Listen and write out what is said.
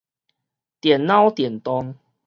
電腦電動